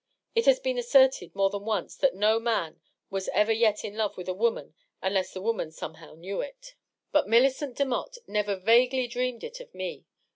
It has been asserted more than once that no man was ever yet in love with a woman unless the woman somehow knew it. But Millicent Demotte never vaguely dreamed it of me.